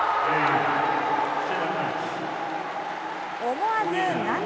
思わず涙。